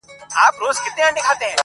پر اوږو د اوښكو ووته له ښاره،